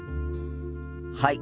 はい。